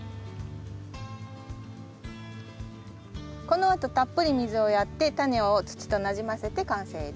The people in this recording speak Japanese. このあとたっぷり水をやってタネを土となじませて完成です。